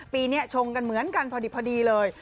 ปีนี้ชงกันเหมือนกันพอดีเลย